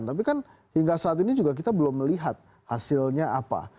tapi kan hingga saat ini juga kita belum melihat hasilnya apa